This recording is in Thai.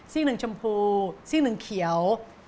สิ้งหนึ่งชมพูสิ้งหนึ่งเขียว